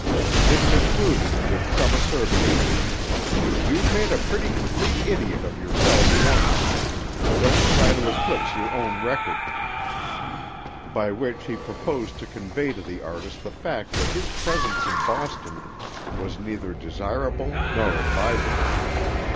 It concluded, with some acerbity: "You've made a pretty complete idiot of yourself once. Don't try to eclipse your own record." By which he purposed to convey to the artist the fact that his presence in Boston was neither desirable nor advisable.